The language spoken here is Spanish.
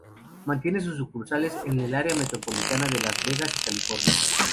Mantiene sus sucursales en el área metropolitana de Las Vegas y California.